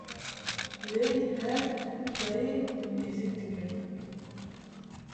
li her dere mêze dike.